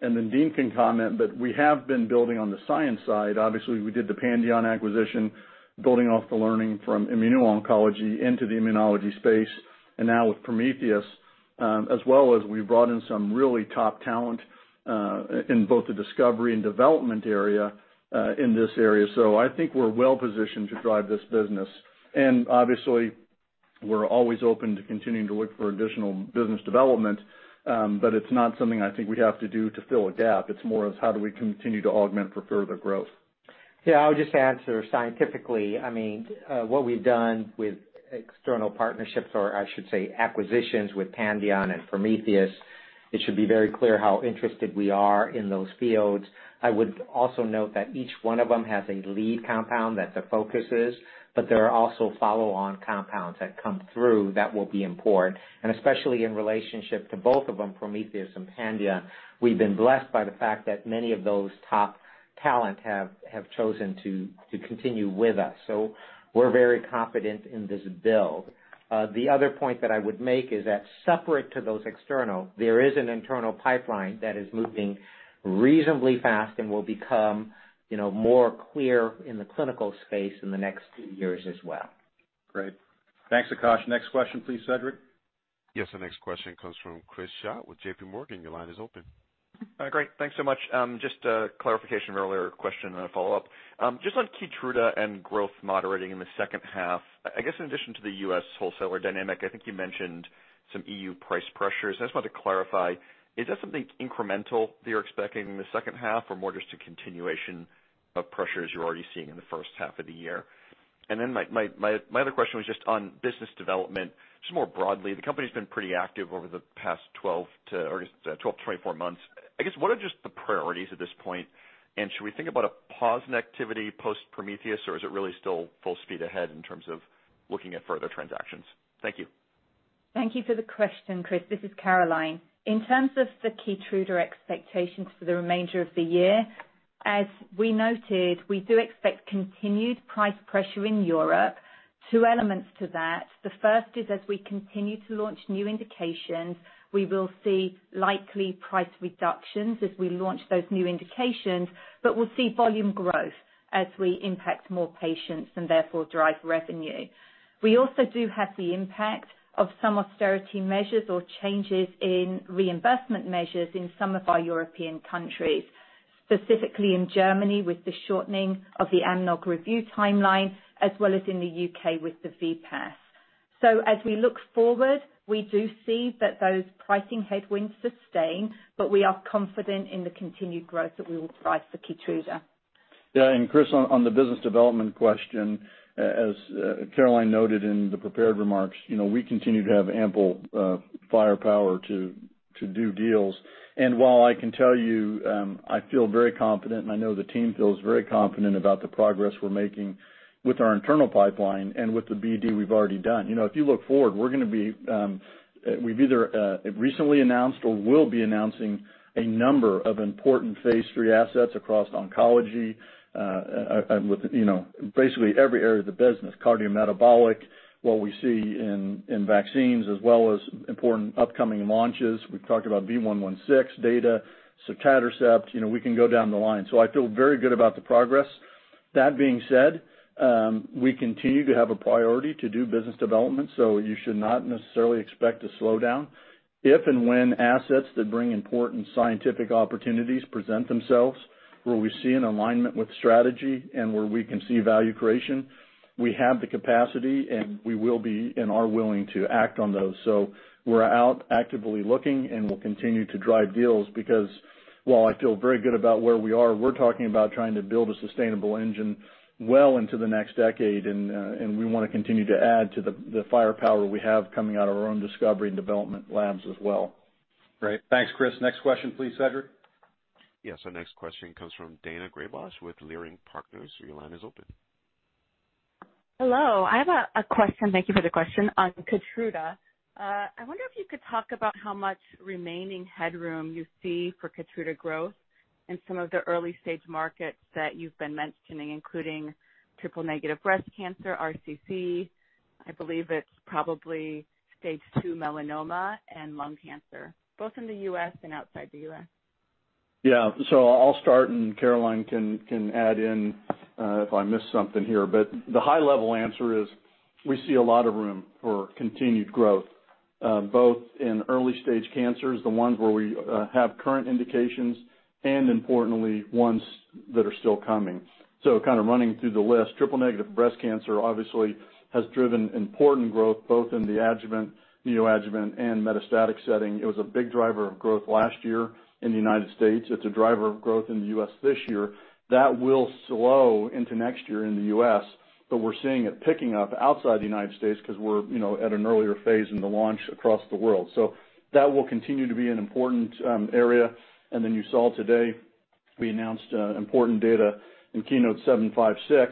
and then Dean can comment, but we have been building on the science side. Obviously, we did the Pandion acquisition, building off the learning from immuno-oncology into the immunology space, and now with Prometheus, as well as we've brought in some really top talent in both the discovery and development area in this area. I think we're well positioned to drive this business. Obviously, we're always open to continuing to look for additional business development, but it's not something I think we have to do to fill a gap. It's more of how do we continue to augment for further growth? Yeah, I'll just add scientifically, I mean, what we've done with external partnerships, or I should say acquisitions with Pandion and Prometheus, it should be very clear how interested we are in those fields. I would also note that each one of them has a lead compound that the focus is, but there are also follow-on compounds that come through that will be important. Especially in relationship to both of them, Prometheus and Pandion, we've been blessed by the fact that many of those top talent have, have chosen to, to continue with us. We're very confident in this build. The other point that I would make is that separate to those external, there is an internal pipeline that is moving reasonably fast and will become, you know, more clear in the clinical space in the next two years as well. Great. Thanks, Akash. Next question, please, Cedric. The next question comes from Chris Schott with J.P. Morgan. Your line is open. Great. Thanks so much. Just a clarification of earlier question and a follow-up. Just on Keytruda and growth moderating in the second half, I guess in addition to the U.S. wholesaler dynamic, I think you mentioned some EU price pressures. I just wanted to clarify, is that something incremental that you're expecting in the second half or more just a continuation of pressures you're already seeing in the first half of the year? My other question was just on business development, just more broadly, the company's been pretty active over the past 12 to 24 months. I guess, what are just the priorities at this point, and should we think about a pause in activity post Prometheus, or is it really still full speed ahead in terms of looking at further transactions? Thank you. Thank you for the question, Chris. This is Caroline. In terms of the Keytruda expectations for the remainder of the year, as we noted, we do expect continued price pressure in Europe. 2 elements to that. The first is, as we continue to launch new indications, we will see likely price reductions as we launch those new indications, but we'll see volume growth as we impact more patients and therefore drive revenue. We also do have the impact of some austerity measures or changes in reimbursement measures in some of our European countries, specifically in Germany, with the shortening of the AMNOG review timeline, as well as in the UK with the VPAS. As we look forward, we do see that those pricing headwinds sustain, but we are confident in the continued growth that we will drive for Keytruda. Yeah, Chris, on, on the business development question, as Caroline noted in the prepared remarks, you know, we continue to have ample firepower to do deals. While I can tell you, I feel very confident, and I know the team feels very confident about the progress we're making with our internal pipeline and with the BD we've already done. You know, if you look forward, we're gonna be, we've either recently announced or will be announcing a number of important phase III assets across oncology, and with, you know, basically every area of the business, cardiometabolic, what we see in vaccines, as well as important upcoming launches. We've talked about V116 data, Sotatercept, you know, we can go down the line. I feel very good about the progress. That being said, we continue to have a priority to do business development, so you should not necessarily expect to slow down. If and when assets that bring important scientific opportunities present themselves, where we see an alignment with strategy and where we can see value creation, we have the capacity, and we will be, and are willing to act on those. We're out actively looking, and we'll continue to drive deals because while I feel very good about where we are, we're talking about trying to build a sustainable engine well into the next decade, and we wanna continue to add to the firepower we have coming out of our own discovery and development labs as well. Great. Thanks, Chris. Next question, please, Cedric. Yes, our next question comes from Daina Graybosch with Leerink Partners. Your line is open. Hello, I have a question, thank you for the question, on Keytruda. I wonder if you could talk about how much remaining headroom you see for Keytruda growth in some of the early-stage markets that you've been mentioning, including triple-negative breast cancer, RCC, I believe it's probably stage 2 melanoma and lung cancer, both in the U.S. and outside the U.S. I'll start, and Caroline can, can add in, if I miss something here. The high level answer is we see a lot of room for continued growth. both in early-stage cancers, the ones where we have current indications, and importantly, ones that are still coming. Kind of running through the list, triple-negative breast cancer obviously has driven important growth, both in the adjuvant, neoadjuvant, and metastatic setting. It was a big driver of growth last year in the United States. It's a driver of growth in the U.S. this year. That will slow into next year in the U.S., but we're seeing it picking up outside the United States because we're, you know, at an earlier phase in the launch across the world. That will continue to be an important area. You saw today, we announced important data in KEYNOTE-756.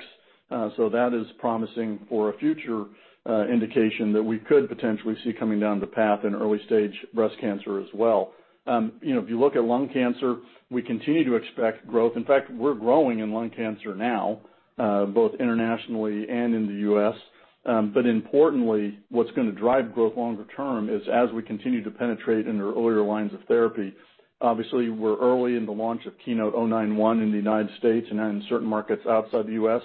That is promising for a future indication that we could potentially see coming down the path in early-stage breast cancer as well. You know, if you look at lung cancer, we continue to expect growth. In fact, we're growing in lung cancer now, both internationally and in the U.S. Importantly, what's gonna drive growth longer term is as we continue to penetrate into earlier lines of therapy, obviously, we're early in the launch of KEYNOTE-091 in the United States and in certain markets outside the U.S.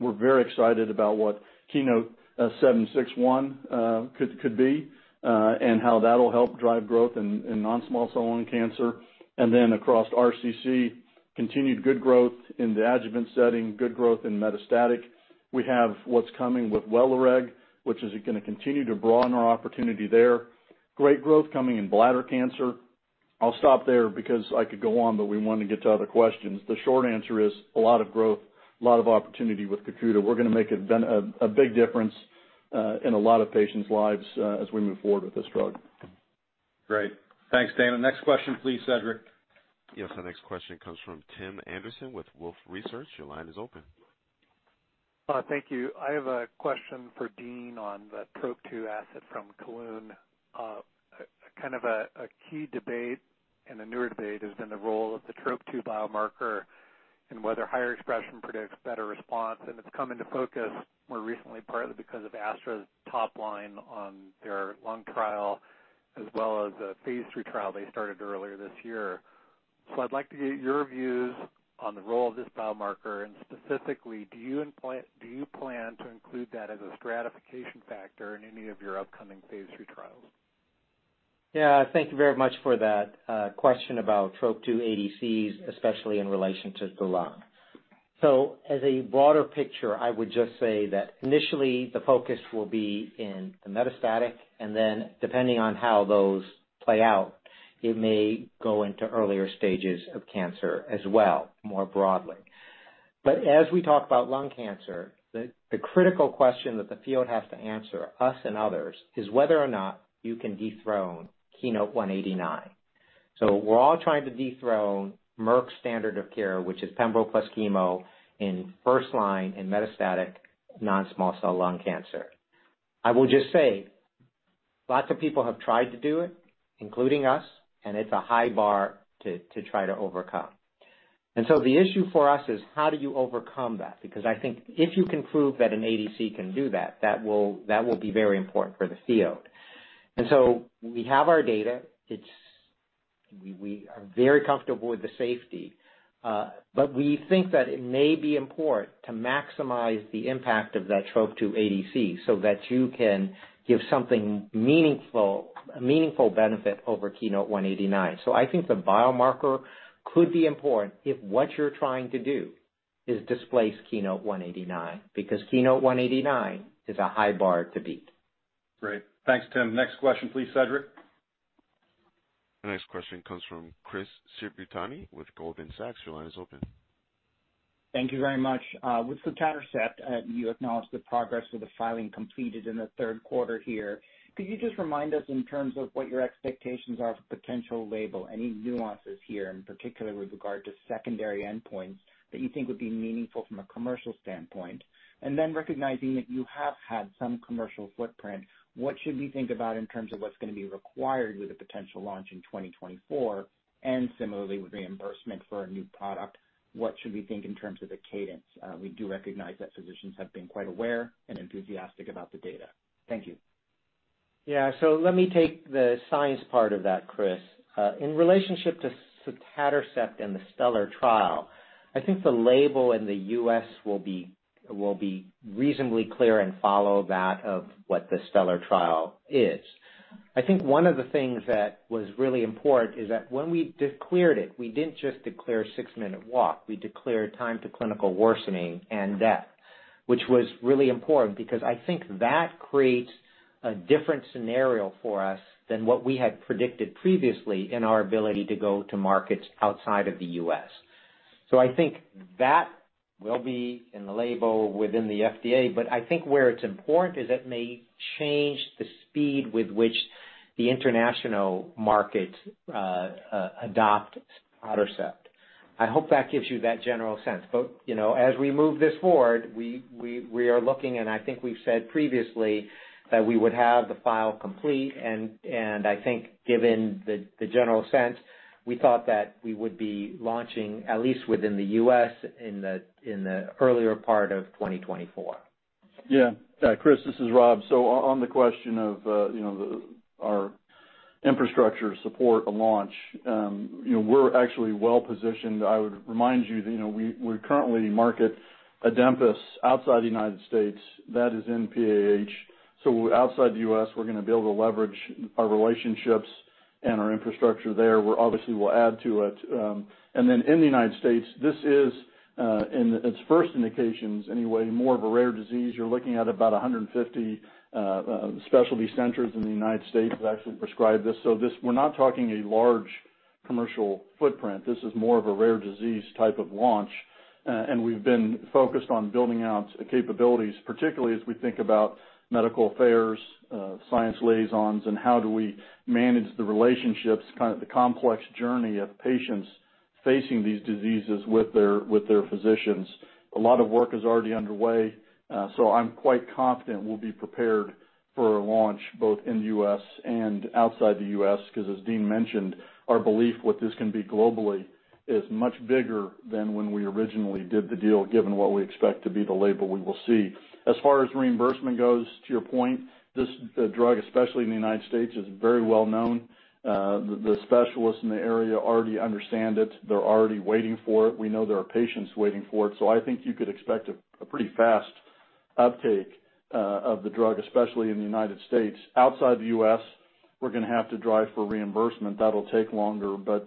We're very excited about what KEYNOTE-761 could, could be, and how that'll help drive growth in, in non-small cell lung cancer. Across RCC, continued good growth in the adjuvant setting, good growth in metastatic. We have what's coming with Welireg, which is gonna continue to broaden our opportunity there. Great growth coming in bladder cancer. I'll stop there because I could go on, but we want to get to other questions. The short answer is, a lot of growth, a lot of opportunity with Keytruda. We're gonna make a big difference in a lot of patients' lives as we move forward with this drug. Great. Thanks, Daina. Next question, please, Cedric. Yes, the next question comes from Tim Anderson with Wolfe Research. Your line is open. Thank you. I have a question for Dean Li on the TROP2 asset from Kelun-Biotech, kind of a key debate and a newer debate has been the role of the TROP2 biomarker and whether higher expression predicts better response. It's come into focus more recently, partly because of AstraZeneca's top line on their lung trial, as well as a phase 3 trial they started earlier this year. I'd like to get your views on the role of this biomarker, and specifically, do you plan to include that as a stratification factor in any of your upcoming phase 3 trials? Thank you very much for that question about TROP2 ADCs, especially in relation to the lung. As a broader picture, I would just say that initially, the focus will be in the metastatic, and then depending on how those play out, it may go into earlier stages of cancer as well, more broadly. As we talk about lung cancer, the critical question that the field has to answer, us and others, is whether or not you can dethrone KEYNOTE-189. We're all trying to dethrone Merck's standard of care, which is pembro plus chemo in first line in metastatic non-small cell lung cancer. I will just say, lots of people have tried to do it, including us, and it's a high bar to try to overcome. The issue for us is how do you overcome that? I think if you can prove that an ADC can do that, that will, that will be very important for the field. We have our data. We are very comfortable with the safety, but we think that it may be important to maximize the impact of that TROP2 ADC so that you can give something meaningful, a meaningful benefit over KEYNOTE-189. I think the biomarker could be important if what you're trying to do is displace KEYNOTE-189, because KEYNOTE-189 is a high bar to beat. Great. Thanks, Tim. Next question, please, Cedric. The next question comes from Chris Shibutani with Goldman Sachs. Your line is open. Thank you very much. With Sotatercept, you acknowledged the progress of the filing completed in the third quarter here. Could you just remind us in terms of what your expectations are for potential label? Any nuances here, and particularly with regard to secondary endpoints that you think would be meaningful from a commercial standpoint? Recognizing that you have had some commercial footprint, what should we think about in terms of what's gonna be required with a potential launch in 2024? Similarly, with reimbursement for a new product, what should we think in terms of the cadence? We do recognize that physicians have been quite aware and enthusiastic about the data. Thank you. Yeah. Let me take the science part of that, Chris. In relationship to Sotatercept and the STELLAR trial, I think the label in the U.S. will be reasonably clear and follow that of what the STELLAR trial is. I think one of the things that was really important is that when we declared it, we didn't just declare a 6-minute walk. We declared time to clinical worsening and death, which was really important because I think that creates a different scenario for us than what we had predicted previously in our ability to go to markets outside of the U.S. I think that will be in the label within the FDA, but I think where it's important is it may change the speed with which the international markets adopt Sotatercept. I hope that gives you that general sense, but, you know, as we move this forward, we are looking, and I think we've said previously that we would have the file complete. I think given the general sense, we thought that we would be launching, at least within the U.S., in the earlier part of 2024. Yeah. Chris, this is Rob. On the question of, you know, the infrastructure to support a launch. You know, we're actually well-positioned. I would remind you that, you know, we, we currently market ADEMPAS outside the United States, that is in PAH. Outside the US, we're gonna be able to leverage our relationships and our infrastructure there, where obviously, we'll add to it. And then in the United States, this is in its first indications anyway, more of a rare disease. You're looking at about 150 specialty centers in the United States that actually prescribe this. This we're not talking a large commercial footprint. This is more of a rare disease type of launch. We've been focused on building out the capabilities, particularly as we think about medical affairs, science liaisons, and how do we manage the relationships, kind of the complex journey of patients facing these diseases with their, with their physicians. A lot of work is already underway, so I'm quite confident we'll be prepared for a launch, both in the U.S. and outside the U.S., 'cause as Dean mentioned, our belief what this can be globally is much bigger than when we originally did the deal, given what we expect to be the label we will see. As far as reimbursement goes, to your point, this drug, especially in the United States, is very well known. The specialists in the area already understand it. They're already waiting for it. We know there are patients waiting for it, so I think you could expect a pretty fast uptake of the drug, especially in the United States. Outside the US, we're gonna have to drive for reimbursement. That'll take longer, but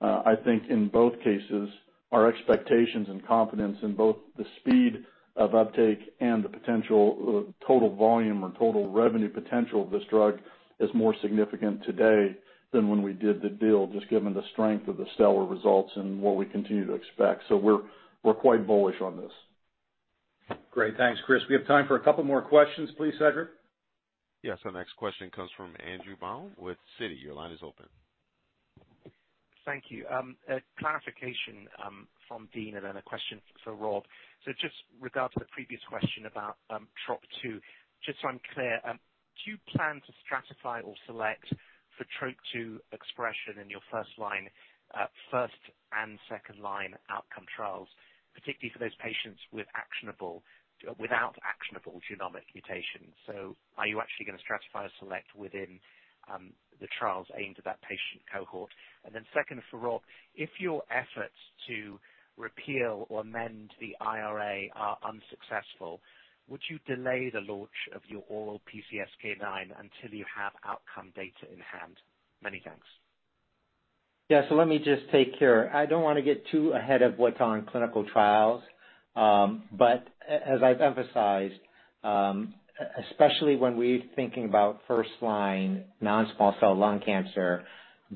I think in both cases, our expectations and confidence in both the speed of uptake and the potential total volume or total revenue potential of this drug is more significant today than when we did the deal, just given the strength of the STELLAR results and what we continue to expect. We're, we're quite bullish on this. Great. Thanks, Chris. We have time for a couple more questions. Please, Cedric? Yes, our next question comes from Andrew Baum with Citigroup. Your line is open. Thank you. A clarification from Dean and then a question for Rob. Just with regard to the previous question about TROP-2, just so I'm clear, do you plan to stratify or select for TROP-2 expression in your 1st line, 1st and 2nd line outcome trials, particularly for those patients without actionable genomic mutations? Are you actually gonna stratify or select within the trials aimed at that patient cohort? 2nd, for Rob, if your efforts to repeal or amend the IRA are unsuccessful, would you delay the launch of your oral PCSK9 until you have outcome data in hand? Many thanks. Yeah, let me just take here. I don't wanna get too ahead of what's on clinical trials. As I've emphasized, especially when we're thinking about first line non-small cell lung cancer,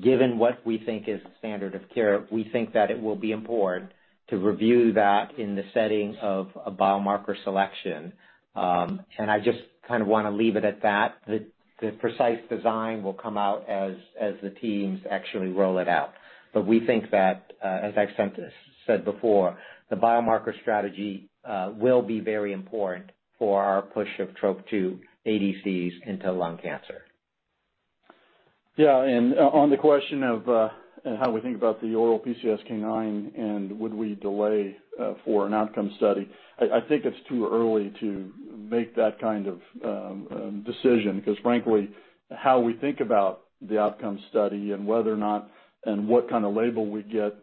given what we think is standard of care, we think that it will be important to review that in the setting of a biomarker selection. I just kind of wanna leave it at that. The precise design will come out as the teams actually roll it out. We think that as I've said before, the biomarker strategy will be very important for our push of TROP-2 ADCs into lung cancer. Yeah, on the question of how we think about the oral PCSK9 and would we delay for an outcome study, I think it's too early to make that kind of decision, because frankly, how we think about the outcome study and whether or not, and what kind of label we'd get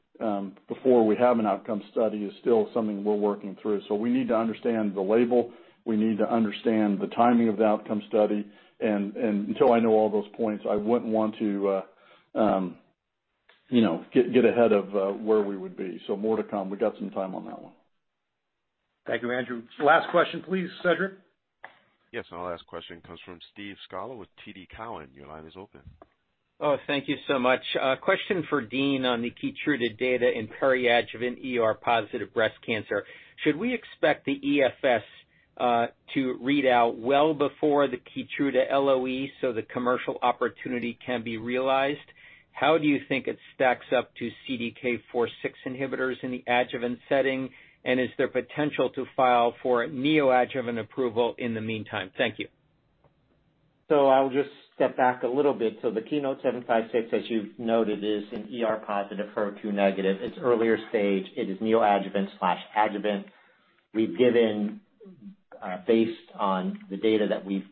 before we have an outcome study is still something we're working through. We need to understand the label. We need to understand the timing of the outcome study. Until I know all those points, I wouldn't want to, you know, get ahead of where we would be. More to come, we got some time on that one. Thank you, Andrew. Last question, please, Cedric. Yes, our last question comes from Steve Scala with TD Cowen. Your line is open. Oh, thank you so much. A question for Dean on the Keytruda data in peri-adjuvant ER-positive breast cancer. Should we expect the EFS to read out well before the Keytruda LOE so the commercial opportunity can be realized? How do you think it stacks up to CDK4/6 inhibitors in the adjuvant setting? Is there potential to file for neoadjuvant approval in the meantime? Thank you. I'll just step back a little bit. The KEYNOTE-756, as you've noted, is an ER-positive, HER2-negative. It's earlier stage. It is neoadjuvant/adjuvant. We've given, based on the data that we've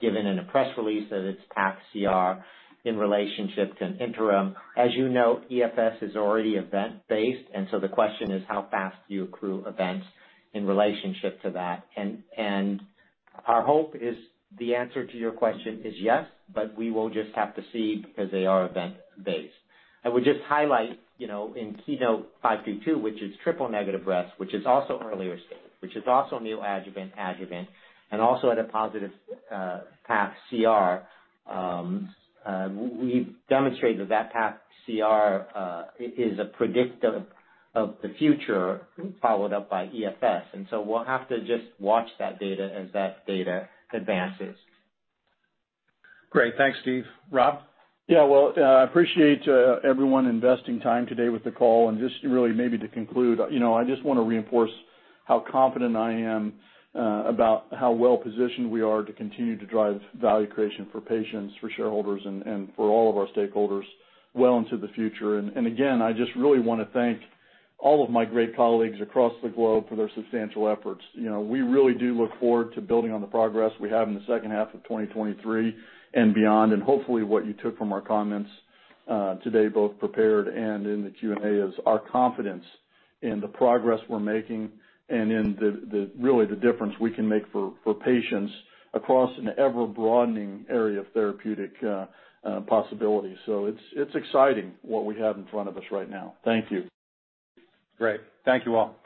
given in a press release, that it's path CR in relationship to an interim. As you know, EFS is already event-based, the question is how fast do you accrue events in relationship to that? Our hope is the answer to your question is yes, we will just have to see because they are event-based. I would just highlight, you know, in KEYNOTE-522, which is triple-negative breast, which is also earlier stage, which is also neoadjuvant/adjuvant, and also at a positive path CR, we've demonstrated that, that path CR is a predictor of, of the future, followed up by EFS. We'll have to just watch that data as that data advances. Great, thanks, Steve. Rob? Yeah, well, I appreciate everyone investing time today with the call. And just really maybe to conclude, you know, I just wanna reinforce how confident I am about how well-positioned we are to continue to drive value creation for patients, for shareholders, and, and for all of our stakeholders well into the future. And, and again, I just really wanna thank all of my great colleagues across the globe for their substantial efforts. You know, we really do look forward to building on the progress we have in the second half of 2023 and beyond, and hopefully, what you took from our comments today, both prepared and in the Q&A, is our confidence in the progress we're making and in the, the, really the difference we can make for, for patients across an ever-broadening area of therapeutic possibilities. It's, it's exciting what we have in front of us right now. Thank you. Great. Thank you, all.